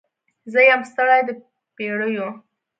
زه یم ستړې د پیړیو